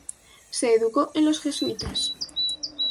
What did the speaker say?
Se educó en los jesuitas.